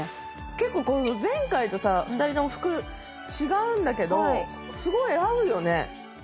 結構前回とさ２人とも服違うんだけどすごい合うよね。